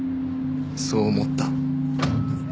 そう思った。